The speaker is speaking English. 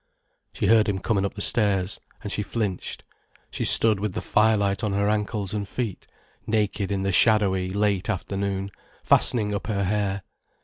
She heard him coming up the stairs, and she flinched. She stood with the firelight on her ankles and feet, naked in the shadowy, late afternoon, fastening up her hair.